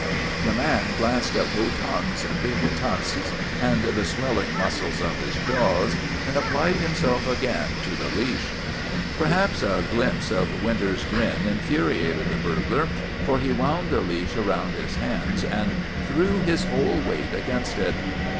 The man glanced at Wotan's big tusks and the 234 WOTAX, THE TERRIBLE swelling muscles of his jaws, and applied himself again to the leash. Perhaps a glimpse of Winter's grin infuriated the burglar, for he wound the leash about his hands and threw his whole weight against it.